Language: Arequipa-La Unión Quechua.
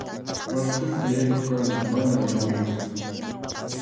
Kwartilta yaykuq kanki mana ñawiyuq.